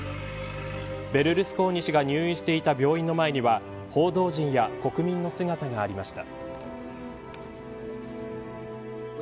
ベルルスコーニ氏が入院していた病院の前には報道陣や国民の姿がありました。